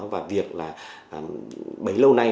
và việc là bấy lâu nay